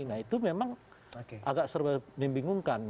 nah itu memang agak serba membingungkan